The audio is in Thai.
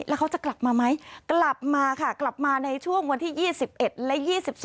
แล้วเขาจะกลับมาไหมกลับมาค่ะกลับมาในช่วงวันที่๒๑และ๒๒